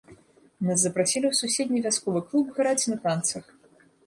Нас запрасілі ў суседні вясковы клуб граць на танцах.